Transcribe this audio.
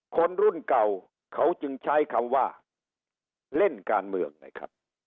คนรุ่นเก่าเขาจึงใช้คำว่าเล่นการเมืองไงครับ